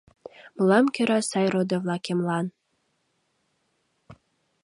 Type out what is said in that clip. Мылам кӧра сай родо-влакемлан